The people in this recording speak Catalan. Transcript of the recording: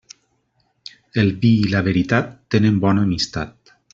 El vi i la veritat tenen bona amistat.